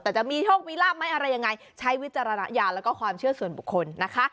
แต่จะมีโชคมีลาบไหมอะไรยังไงใช้วิจารณญาณแล้วก็ความเชื่อส่วนบุคคลนะคะ